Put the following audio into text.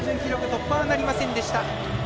突破はなりませんでした。